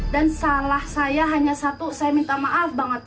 dan salah saya hanya satu saya minta maaf banget